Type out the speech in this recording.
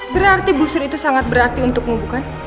berarti busur itu sangat berarti untukmu bukan